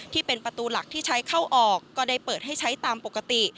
ที่เป็นประตูหลักที่ใช้เข้าออกก็ได้เปิดให้ใช้ตามปกติ